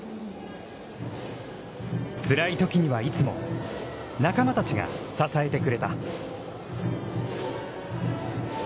つらいときにはいつも仲間たちが支えてくれた。